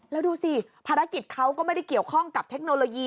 แล้วดูสิภารกิจเขาก็ไม่ได้เกี่ยวข้องกับเทคโนโลยี